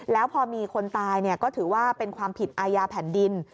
แล้วพอมีคนตายก็ถือว่าเป็นความผิดอาญาแผ่นดิน